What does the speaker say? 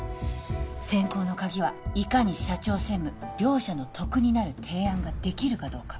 選考の鍵はいかに社長専務両者の得になる提案ができるかどうか